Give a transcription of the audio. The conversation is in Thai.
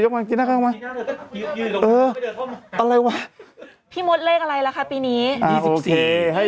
ยกกันกินออกมาเอออะไรวะพี่มดเลขอะไรละคะปีนี้อ่าโอเคให้